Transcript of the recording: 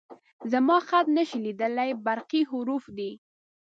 _زموږ خط نه شې لېدلی، برقي حروف دي